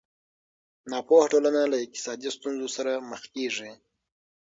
ناپوهه ټولنه له اقتصادي ستونزو سره مخ کېږي.